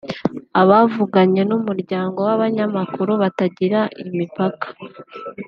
Abavuganye n’Umuryango w’abanyamakuru batagira imipaka